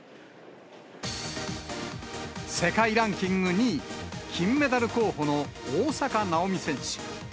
世界ランキング２位、金メダル候補の大坂なおみ選手。